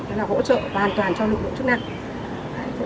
đó là hỗ trợ hoàn toàn cho lực lượng chức năng